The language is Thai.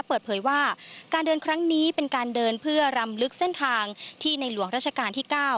เปิดเผยว่าการเดินครั้งนี้เป็นการเดินเพื่อรำลึกเส้นทางที่ในหลวงราชการที่๙